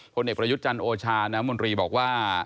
คนเอกประยุทธ์จันทร์โอชานมรีบอกว่า